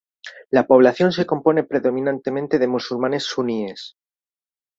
La población se compone predominantemente de musulmanes suníes.